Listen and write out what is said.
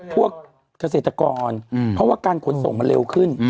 พวกเกษตรกรเพราะว่าการขนส่งมันเร็วขึ้น